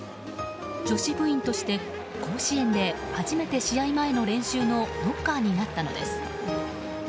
女子部員として、甲子園で初めて試合前の練習のノッカーになったのです。